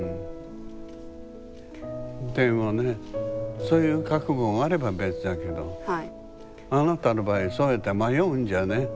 でもねそういう覚悟があれば別だけどあなたの場合そうやって迷うんじゃね